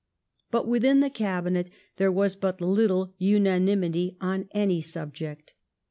But within the Cabinet there was Imt little unanimity on any subject.